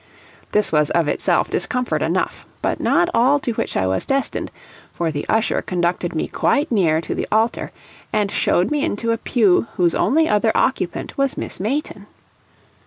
This was of itself discomfort enough, but not all to which I was destined, for the usher conducted me quite near to the altar, and showed me into a pew whose only other occupant was Miss Mayton!